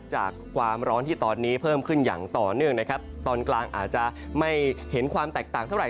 จากความร้อนที่ตอนนี้เพิ่มขึ้นอย่างต่อเนื่องนะครับตอนกลางอาจจะไม่เห็นความแตกต่างเท่าไห